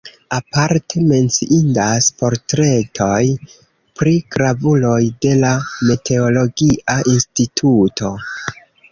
Aparte menciindas portretoj pri gravuloj de la meteologia instituto.